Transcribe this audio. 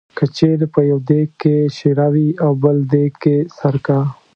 که چېرې په یو دېګ کې شېره وي او بل دېګ کې سرکه.